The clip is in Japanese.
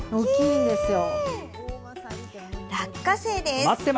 落花生です。